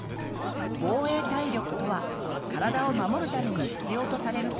「防衛体力」とは体を守るために必要とされる体力。